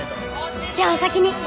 じゃお先に！